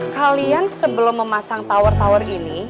kalian sebelum memasang tower tower ini